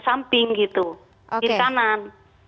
di bagian kanan